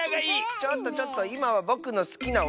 ちょっとちょっといまはぼくのすきなおやつのはなし！